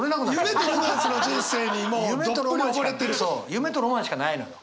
夢とロマンしかないのよ。